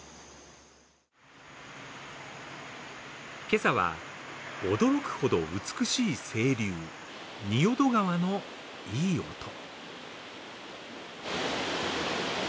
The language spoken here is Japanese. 今朝は驚くほど美しい清流仁淀川のいい音。